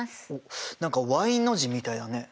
何かＹの字みたいだね。